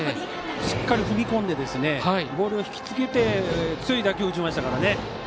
すっかり踏み込んでボールを引きつけて強い打球を打ちましたからね。